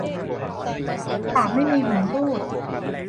ปากไม่มีหูรูด